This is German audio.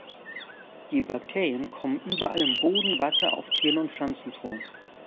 Die Bakterien kommen überall im Boden, Wasser, auf Tieren und Pflanzen vor.